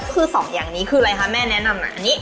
คือสองอย่างนี้คืออะไรคะแม่แนะนำหน่อย